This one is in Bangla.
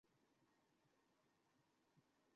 এমিল, যে কিছুই করেনি।